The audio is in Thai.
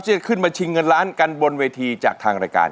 จะขึ้นมาชิงเงินล้านกันบนเวทีจากทางรายการ